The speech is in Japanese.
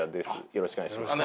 よろしくお願いします。